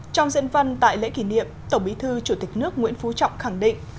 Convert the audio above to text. trong diễn văn tại lễ kỷ niệm tổng bí thư chủ tịch nước nguyễn phú trọng khẳng định